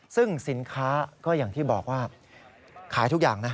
ซึ่งสินค้าก็อย่างที่บอกว่าขายทุกอย่างนะ